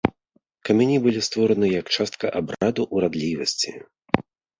Камяні былі створаны як частка абраду урадлівасці.